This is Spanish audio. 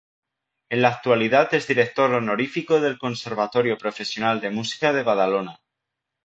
En la actualidad es director honorífico del Conservatorio Profesional de Música de Badalona.